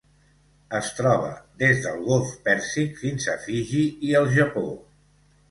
Es troba des del Golf Pèrsic fins a Fiji i el Japó.